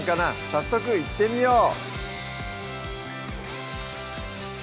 早速いってみよう